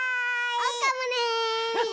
おうかもね！